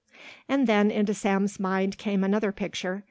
And then into Sam's mind came another picture.